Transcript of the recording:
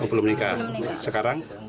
oh belum nikah sekarang